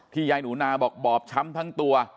ยายหนูนาบอกบอบช้ำทั้งตัว